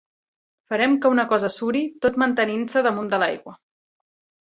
Farem que una cosa suri, tot mantenint-se damunt de l'aigua.